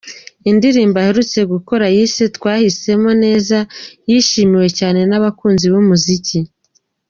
Indirimbo aherutse gukora yise 'Twahisemo neza' yishimiwe cyane n'abakunzi b'umuziki.